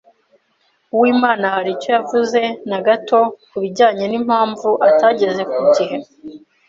Uwimana hari icyo yavuze na gato kubijyanye n'impamvu atageze ku gihe?